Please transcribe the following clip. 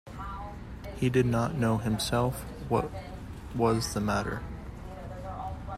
He did not know himself what was the matter.